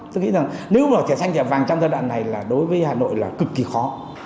tôi nghĩ rằng nếu mà thẻ xanh thì vào một trăm linh giai đoạn này là đối với hà nội là cực kỳ khó